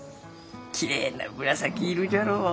きれいな紫色じゃろう？